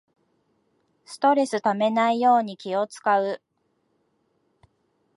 ストレスためないように気をつかう